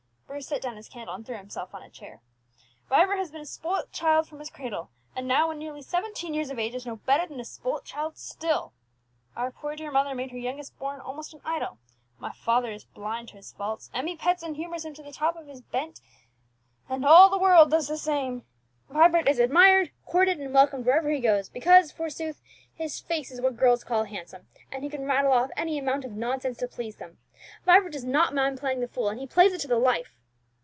Bruce set down his candle, and threw himself on a chair. "Vibert has been a spoilt child from his cradle, and now, when nearly seventeen years of age, is no better than a spoilt child still! Our poor dear mother made her youngest born almost an idol; my father is blind to his faults; Emmie pets and humours him to the top of his bent; and all the world does the same. Vibert is admired, courted, and welcomed wherever he goes, because, forsooth, his face is what girls call handsome, and he can rattle off any amount of nonsense to please them. Vibert does not mind playing the fool, and he plays it to the life!"